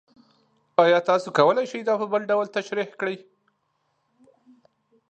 ایا تاسو کولی شئ دا په بل ډول تشریح کړئ؟